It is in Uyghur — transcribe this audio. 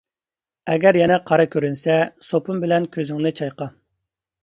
ئەگەر يەنە قارا كۆرۈنسە، سوپۇن بىلەن كۆزۈڭنى چايقا.